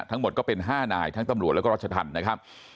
ทั้งหมดก็เป็น๕นายทั้งตำรวจแล้วก็รัชธรรมนะครับ